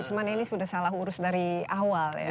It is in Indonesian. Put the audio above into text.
cuma ini sudah salah urus dari awal ya